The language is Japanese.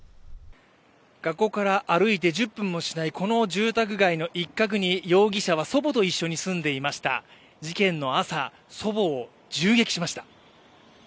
学校から歩いて１０分もしないこの住宅街の一角に容疑者は祖母と一緒に住んでいました事件の朝、祖母を銃撃しました。